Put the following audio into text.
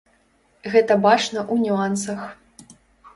Гэта бачна ў нюансах.